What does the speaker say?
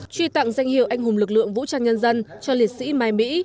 truy tặng danh hiệu anh hùng lực lượng vũ trang nhân dân cho liệt sĩ mai mỹ